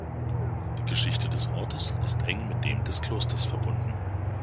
Die Geschichte des Ortes ist eng mit dem des Klosters verbunden.